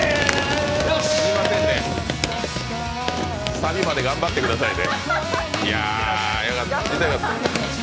サビまで頑張ってくださいね。